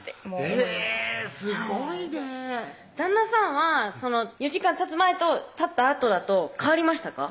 えぇすごいね旦那さんはその４時間たつ前とたったあとだと変わりましたか？